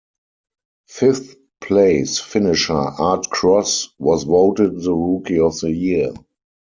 Fifth place finisher Art Cross was voted the Rookie of the Year.